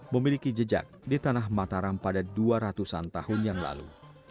memiliki jejak di tanah mataram pada dua ratus an tahun yang lalu